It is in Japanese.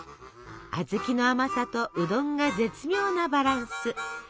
あずきの甘さとうどんが絶妙なバランス。